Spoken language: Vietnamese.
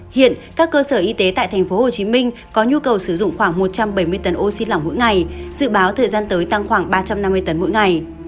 hiện các cơ sở y tế tại tp hcm có nhu cầu sử dụng khoảng một trăm bảy mươi tấn oxy lỏng mỗi ngày dự báo thời gian tới tăng khoảng ba trăm năm mươi tấn mỗi ngày